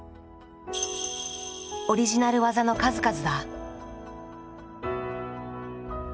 オリジナル技の数々だ。